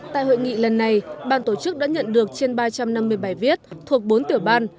tại hội nghị lần này ban tổ chức đã nhận được trên ba trăm năm mươi bài viết thuộc bốn tiểu ban